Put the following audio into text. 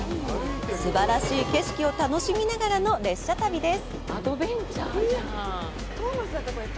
すばらしい景色を楽しみながらの列車旅です。